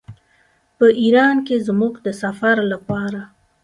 په ایران کې زموږ د سفر لپاره.